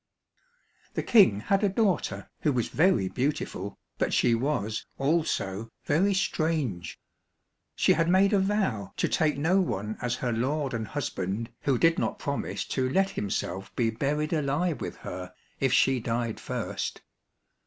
The King had a daughter who was very beautiful, but she was also very strange. She had made a vow to take no one as her lord and husband who did not promise to let himself be buried alive with her if she died first.